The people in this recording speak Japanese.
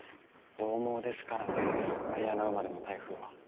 どう猛ですからねマリアナ生まれの台風は。